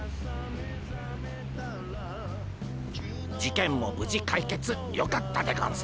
事件も無事解決よかったでゴンス。